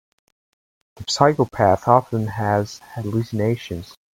The psychopath often has hallucinations.